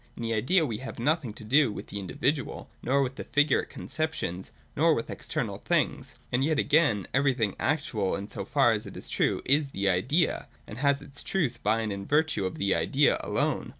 In the idea we have nothing to do with the individual, nor with figurate con ceptions, nor with external things. And yet, again, everything actual, in so far as it is true, is the Idea, and has its truth by and in virtue of the Idea alone.